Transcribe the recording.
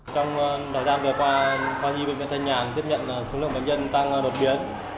trong thời gian vừa qua khoa nhi bệnh viện thanh nhàn tiếp nhận số lượng bệnh nhân tăng đột biến